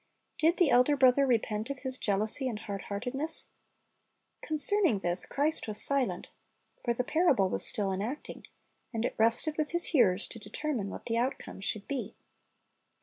Did the elder brother repent of his jealousy and hard heartedness? Concerning this, Christ was silent. For the parable was still enacting, and it rested with His hearers to determine what the outcome should be.